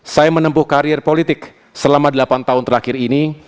saya menempuh karir politik selama delapan tahun terakhir ini